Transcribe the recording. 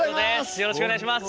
よろしくお願いします！